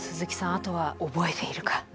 あとは覚えているか。